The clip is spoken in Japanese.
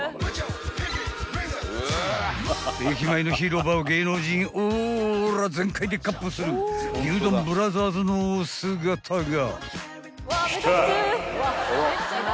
［駅前の広場を芸能人オーラ全開で闊歩する牛丼ブラザーズのお姿が］